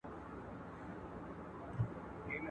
زه په لمبو کي د پتنګ میني منلی یمه!